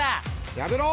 やめろ！